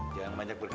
jangan banyak bergerak